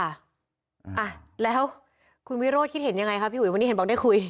อ่ะแล้วคุณวิโรธคิดเห็นยังไงคะพี่อุ๋ยวันนี้เห็นบอกได้คุย